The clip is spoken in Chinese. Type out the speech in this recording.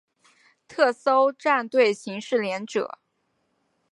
特搜战队刑事连者。